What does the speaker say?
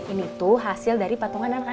ini tuh hasil dari patungan anak anak iva